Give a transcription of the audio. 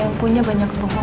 yang punya banyak kebenaran